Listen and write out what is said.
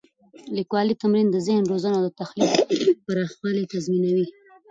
د لیکوالي تمرین د ذهن روزنه او د تخلیق پراخوالی تضمینوي.